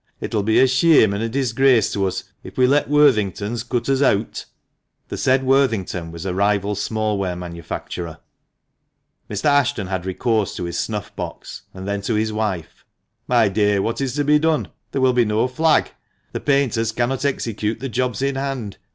It'll be a sheame an' a disgrace to us o' if we let Worthington's cut us eawt." THE MANCHESTER MAN. 295 [The said Worthington was a rival small ware manufacturer.] Mr. Ashton had recourse to his snuff box, and then to his wife. "My dear, what is to be done? There will be no flag. The painters cannot execute the jobs in hand.